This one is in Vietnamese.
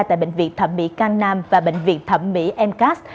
tại bệnh viện thẩm mỹ can nam và bệnh viện thẩm mỹ mcas